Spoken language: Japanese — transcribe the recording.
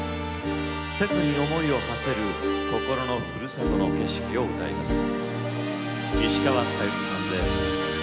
切に思いをはせる心のふるさとの景色を歌います。